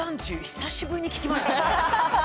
久しぶりに聞きましたね。